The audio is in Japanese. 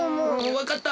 わかった。